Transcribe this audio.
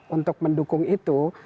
untuk mendukung itu